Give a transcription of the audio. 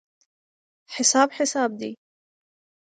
حساب حساب دی.